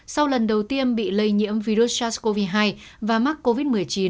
sau lần đầu tiên bị lây nhiễm virus sars cov hai và mắc covid một mươi chín